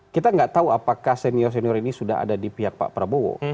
kita nggak tahu apakah senior senior ini sudah ada di pihak pak prabowo